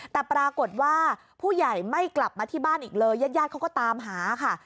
แต่ปรากฏว่าผู้ใหญ่ไม่กลับมาที่บ้านอีกเลยญาติญาติเขาก็ตามหาค่ะ